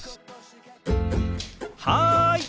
はい！